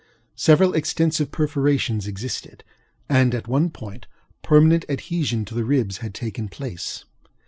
Several extensive perforations existed; and, at one point, permanent adhesion to the ribs had taken place.